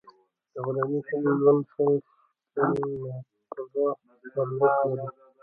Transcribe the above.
د غلامي ښځې ژوند شل شِکِل نقره ارزښت لري.